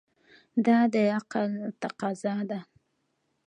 دا د عقل تقاضا ده.